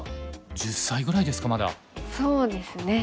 そうですね。